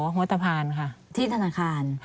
หัวตะพานค่ะ